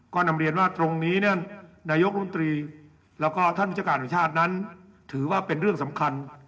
ก็นำเรียนว่าตรงนี้เนี่ยนายกรมตรีแล้วก็ท่านวิชาการของชาตินั้นถือว่าเป็นเรื่องสำคัญ